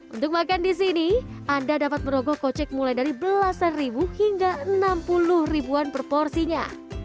untuk makan di sini anda dapat merogoh kocek mulai dari belasan ribu hingga enam puluh ribuan per porsinya